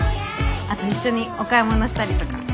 あと一緒にお買い物したりとか。